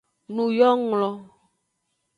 Nuyonglo.